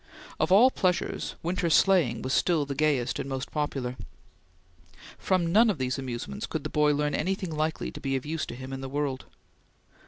Of all pleasures, winter sleighing was still the gayest and most popular. From none of these amusements could the boy learn anything likely to be of use to him in the world.